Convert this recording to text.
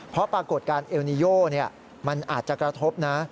เพราะปรากฏการณ์เอลนิโยมันอาจจะกระทบนะ